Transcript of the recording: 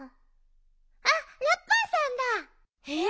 あっラッパーさんだ。え？